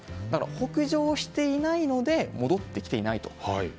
北上していないので戻ってきていないと。